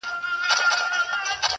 o په ړنديانو کي چپک اغا دئ.